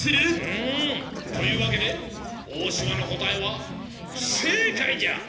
うんというわけで大島のこたえはふせいかいじゃ。